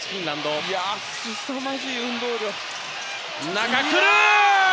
中に来る！